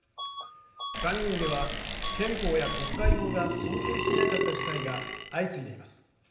参議院では憲法や国会法が想定していなかった事態が相次いでいます。